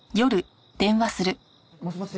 もしもし